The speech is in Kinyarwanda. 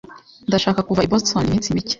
Ndashaka kuva i Boston iminsi mike.